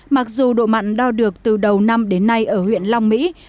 mặc dù độ mặn đo được từ đầu năm đến nay ở huyện long mỹ